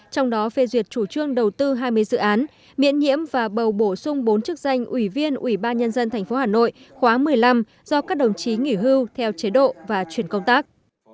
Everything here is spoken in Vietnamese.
trong đó phê duyệt chủ trương đầu tư hai mươi dự án miễn nhiễm và bầu bổ sung bốn chức danh ủy viên ủy ban nhân dân tp hà nội khóa một mươi năm do các đồng chí nghỉ hưu theo chế độ và chuyển công tác